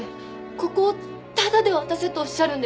ここをタダで渡せとおっしゃるんですか？